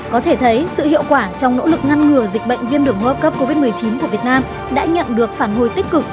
có thể thấy sự hiệu quả trong nỗ lực ngăn ngừa dịch bệnh viêm đường hô hấp cấp covid một mươi chín của việt nam đã nhận được phản hồi tích cực